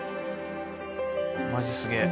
マジすげえ。